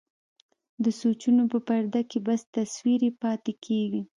د سوچونو په پرده کې بس تصوير يې پاتې کيږي.